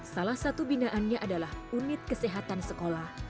salah satu binaannya adalah unit kesehatan sekolah